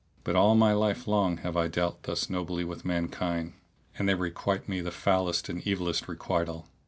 But all my life long have I dealt thus nobly with mankind, and they requite me the foulest and evillest requital!"